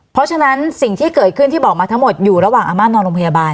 เพราะฉะนั้นสิ่งที่เกิดขึ้นที่บอกมาทั้งหมดอยู่ระหว่างอาม่านอนโรงพยาบาล